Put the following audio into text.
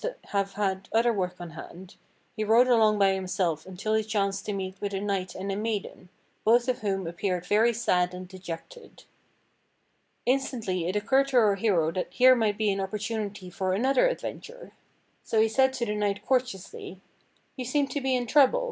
] to have had other work on hand, he rode along by himself until he chanced to meet with a knight and a maiden, both of whom appeared very sad and dejected. Instantly it occurred to our hero that here might be an oppor tunity for another adventure. So he said to the knight courteously: "You seem to be in trouble.